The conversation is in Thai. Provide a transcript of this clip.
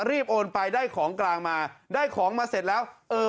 โอนไปได้ของกลางมาได้ของมาเสร็จแล้วเออ